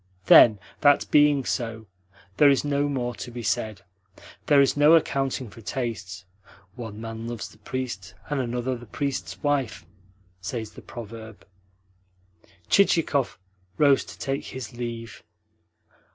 "Then, that being so, there is no more to be said. There is no accounting for tastes. 'One man loves the priest, and another the priest's wife,' says the proverb." Chichikov rose to take his leave.